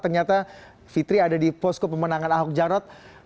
ternyata fitri ada di posko pemenangan ahok jarot